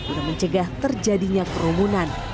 untuk mencegah terjadinya kerumunan